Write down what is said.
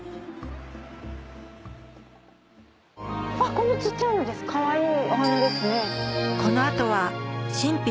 こんな小っちゃいのかわいいお花ですね。